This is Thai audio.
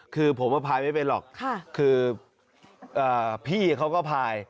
คือผมว่าพายไม่เป็นหรอกคือพี่เขาก็พาย